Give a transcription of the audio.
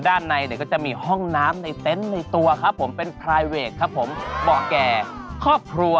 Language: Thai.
ตามแอฟผู้ชมห้องน้ำด้านนอกกันเลยดีกว่าครับ